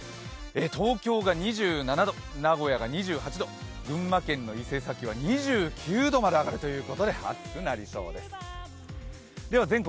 東京が２７度、名古屋が２８度、群馬県の伊勢崎は２９度まで上がるということで暑くなりそうです。